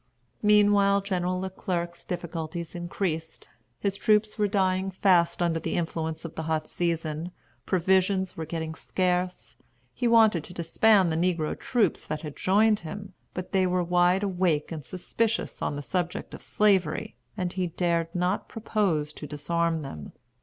Meanwhile, General Le Clerc's difficulties increased. His troops were dying fast under the influence of the hot season; provisions were getting scarce; he wanted to disband the negro troops that had joined him, but they were wide awake and suspicious on the subject of Slavery, and he dared not propose to disarm them.